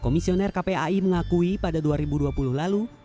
komisioner kpai mengakui pada dua ribu dua puluh lalu